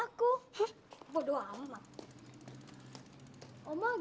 aku butuh ujung ujung